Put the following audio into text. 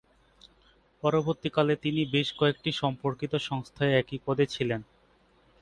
পরবর্তীকালে তিনি বেশ কয়েকটি সম্পর্কিত সংস্থায় একই পদে ছিলেন।